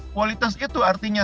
kualitas itu artinya